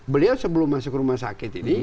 beliau sebelum masuk rumah sakit ini